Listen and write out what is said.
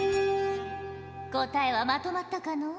答えはまとまったかの？